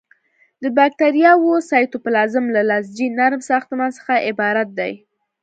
د باکتریاوو سایتوپلازم له لزجي نرم ساختمان څخه عبارت دی.